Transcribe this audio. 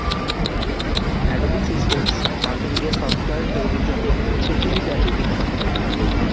Adobe Systems multimedia software তৈরির জন্য পৃথিবীব্যাপী বিখ্যাত।